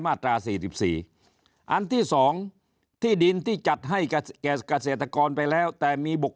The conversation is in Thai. มาตรา๔๔อันที่๒ที่ดินที่จัดให้แก่เกษตรกรไปแล้วแต่มีบุคค